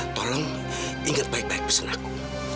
tolong ingat baik baik pesan aku